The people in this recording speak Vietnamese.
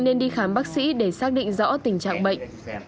nên đi khám bác sĩ để xác định rõ tình trạng bệnh